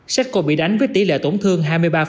serco bị đánh với tỷ lệ tổn thương hai mươi ba